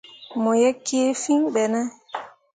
Mo ye kii fìi ɓe ne ?